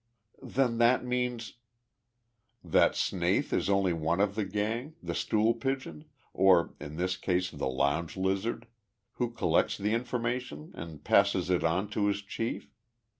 "Then that means " "That Snaith is only one of the gang the stool pigeon or, in this case, the lounge lizard who collects the information and passes it on to his chief?